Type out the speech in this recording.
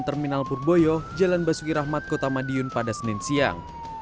terminal purboyo jalan basuki rahmat kota madiun pada senin siang